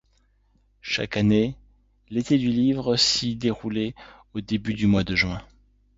Chaque année l’Été du Livre s’y déroulait au début du mois de juin.